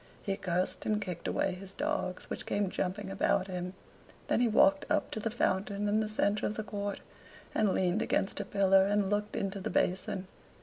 He cursed and kicked away his dogs, which came jumping about him then he walked up to the fountain in the centre of the court, and leaned against a pillar and looked into the basin.